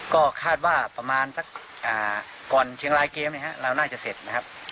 ก็คาดว่าประมาณสักก่อนเชียงรายเกมเราน่าจะเสร็จนะครับ